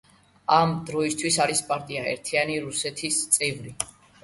ამ დროისთვის არის პარტია „ერთიანი რუსეთის“ წევრი.